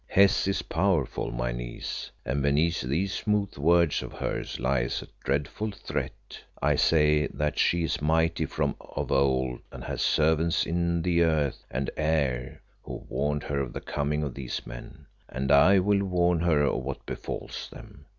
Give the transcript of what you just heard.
"Hes is powerful, my niece, and beneath these smooth words of hers lies a dreadful threat. I say that she is mighty from of old and has servants in the earth and air who warned her of the coming of these men, and will warn her of what befalls them.